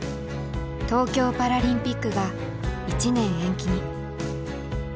東京パラリンピックが１年延期に。